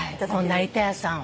成田屋さん